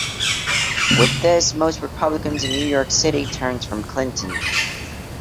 With this most republicans in New York City turned from Clinton.